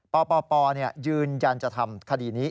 ปปยืนยันจะทำคดีนี้